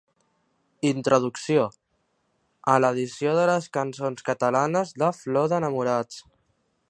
«Introducció» a l'edició de les cançons catalanes de Flor d'enamorats.